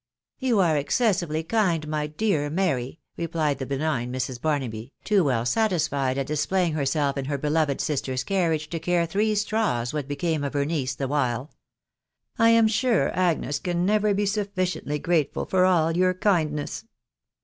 " You are excessively kind, my dear Mary J" replied the benign Mrs. Barnaby, too well satisfied At displaying herself Jm her beloved sister's carriage to care three straws what became of her niece the while. "J am 'sure Agnes, can never be suffi ciently grateful for all your kindness."